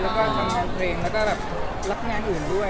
แล้วก็ทำงานเพลงแล้วลักงานอื่นด้วย